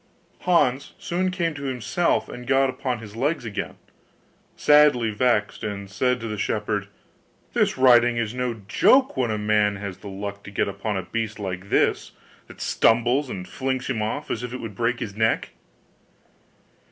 Hans soon came to himself, and got upon his legs again, sadly vexed, and said to the shepherd, 'This riding is no joke, when a man has the luck to get upon a beast like this that stumbles and flings him off as if it would break his neck.